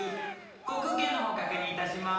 航空券のほう確認いたします。